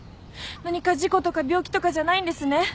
何か事故とか病気とかじゃないんですね？